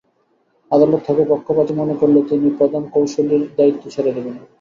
আদালত তাঁকে পক্ষপাতী মনে করলে তিনি প্রধান কৌঁসুলির দায়িত্ব ছেড়ে দেবেন।